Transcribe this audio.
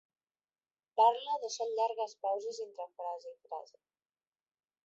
Parla deixant llargues pauses entre frase i frase.